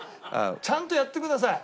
ちゃんとやってください。